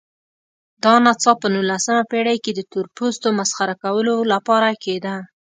دا نڅا په نولسمه پېړۍ کې د تورپوستو مسخره کولو لپاره کېده.